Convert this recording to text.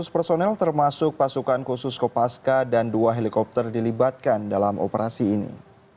lima ratus personel termasuk pasukan khusus kopaska dan dua helikopter dilibatkan dalam operasi ini